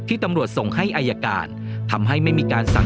ตำรวจส่งให้อายการทำให้ไม่มีการสั่ง